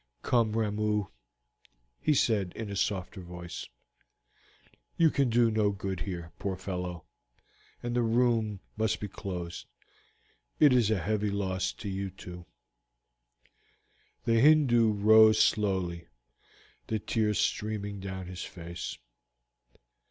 "Come, Ramoo," he said in a softer voice, "you can do no good here, poor fellow, and the room must be closed. It is a heavy loss to you too." The Hindoo rose slowly, the tears streaming down his face.